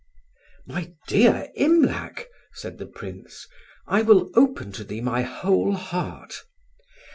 "My dear Imlac," said the Prince, "I will open to thee my whole heart.